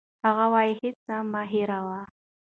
هغه وايي، هڅه مه هېروئ.